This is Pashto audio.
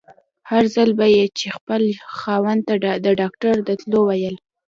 هر ځل به يې چې خپل خاوند ته د ډاکټر د تلو ويل.